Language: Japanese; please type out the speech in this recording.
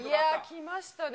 きましたね。